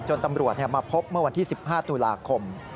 ตำรวจมาพบเมื่อวันที่๑๕ตุลาคม